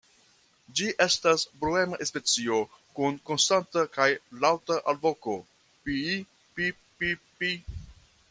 Ĝi estas bruema specio, kun konstanta kaj laŭta alvoko "pii-pip-pii-pii".